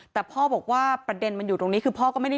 แต่พ่อบอกว่าประเด็นมันอยู่ตรงนี้คือพ่อก็ไม่ได้